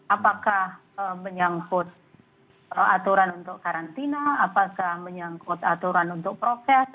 apakah menyangkut aturan untuk karantina apakah menyangkut aturan untuk prokes